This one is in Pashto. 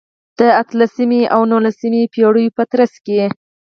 د اتلسمې او نولسمې پېړیو په ترڅ کې.